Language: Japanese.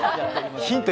ヒント